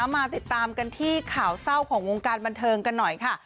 มาติดตามกันที่ข่าวเศร้าของวงการบันเทิงกันหน่อยค่ะ